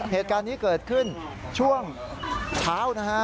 เหตุการณ์นี้เกิดขึ้นช่วงเช้านะฮะ